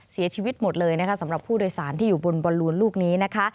เสียชีวิตหมดเลยนะคะสำหรับผู้โดยสารที่อยู่บนบอลลูนลูกนี้นะคะ